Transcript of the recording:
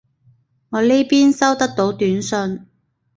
我呢邊收得到短信